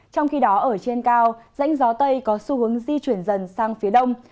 trong khi đó ở trên cao rãnh gió tây có xu hướng di chuyển dần sang phía đông